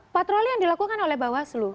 patroli yang dilakukan oleh bawaslu